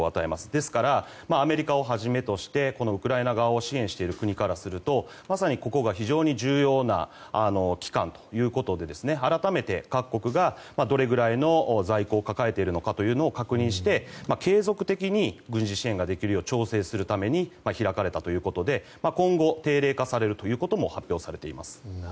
ですからアメリカをはじめとしてウクライナ側を支援している国からするとまさにここが非常に重要な期間ということで改めて各国が、どれくらいの在庫を抱えているかを確認して継続的に軍事支援ができるよう調整するために開かれたということで今後、定例化されることも発表されています。